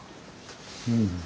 うん。